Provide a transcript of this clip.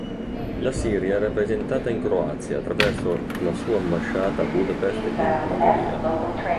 La Siria è rappresentata in Croazia attraverso la sua ambasciata a Budapest in Ungheria.